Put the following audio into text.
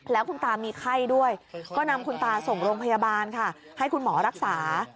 แล้วคุณตามีไข้ด้วยก็นำคุณตาส่งโรงพยาบาลค่ะให้คุณหมอรักษา